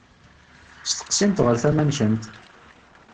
Steqsimt ɣer tama-nkent.